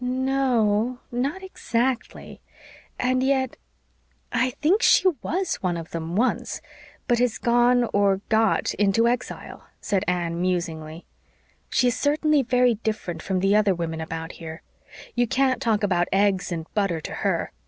"No o o, not exactly. And yet I think she WAS one of them once, but has gone or got into exile," said Anne musingly. "She is certainly very different from the other women about here. You can't talk about eggs and butter to HER.